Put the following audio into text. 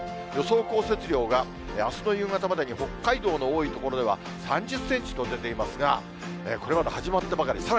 予想降雪量が、あすの夕方までに北海道の多い所では３０センチと出ていますが、これはまだ始まったばかり。